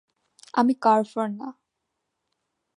আমি কার্ভার না।